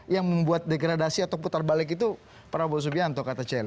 yang membuat degradasi atau putar balik itu prabowo subianto